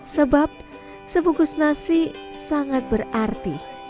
sebab sebungkus nasi sangat berarti